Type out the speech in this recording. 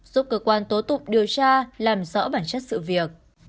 giúp cơ quan tố tụng điều tra làm rõ bản chất sự việc